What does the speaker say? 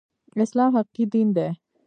اسلام حقيقي دين دی